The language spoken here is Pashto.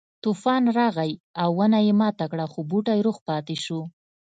طوفان راغی او ونه یې ماته کړه خو بوټی روغ پاتې شو.